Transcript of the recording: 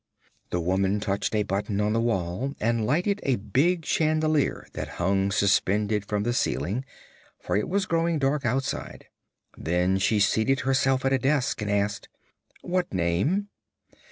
The woman touched a button on the wall and lighted a big chandelier that hung suspended from the ceiling, for it was growing dark outside. Then she seated herself at a desk and asked: "What name?"